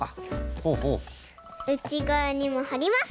うちがわにもはります。